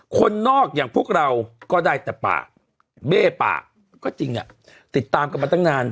คนนอกอย่างพวกเราก็ได้แต่ปากเบ้ปากก็จริงติดตามกันมาตั้งนาน